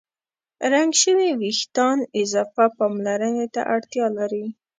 رنګ شوي وېښتيان اضافه پاملرنې ته اړتیا لري.